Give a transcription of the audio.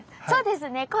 そうですね。